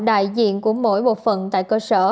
đại diện của mỗi bộ phận tại cơ sở